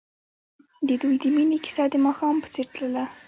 د دوی د مینې کیسه د ماښام په څېر تلله.